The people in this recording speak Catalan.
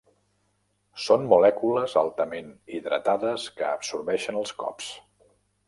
Són molècules altament hidratades que absorbeixen els cops.